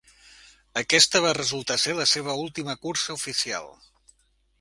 Aquesta va resultar ser la seva última cursa oficial.